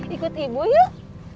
ikut ibu yuk